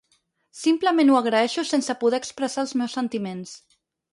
Simplement ho agraeixo sense poder expressar els meus sentiments.